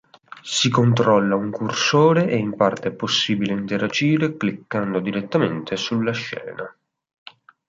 Si controlla un cursore e in parte è possibile interagire cliccando direttamente sulla scena.